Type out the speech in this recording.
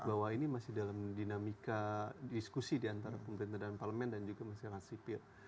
bahwa ini masih dalam dinamika diskusi diantara pemerintah dan parlemen dan juga masyarakat sipil